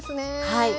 はい。